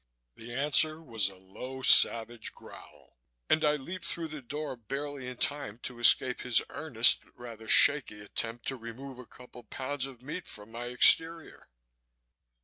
The answer was a low savage growl and I leaped through the door barely in time to escape his earnest but rather shaky attempt to remove a couple of pounds of meat from my exterior.